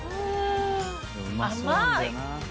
甘い！